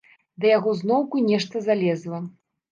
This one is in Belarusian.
Да яго зноўку нешта залезла.